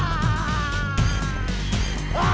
aku mau lihat